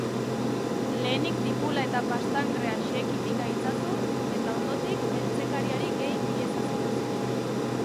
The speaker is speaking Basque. Lehenik tipula eta pastanagrea xeheki pika itzazu, eta ondotik eltzekariari gehi iezazkiozu.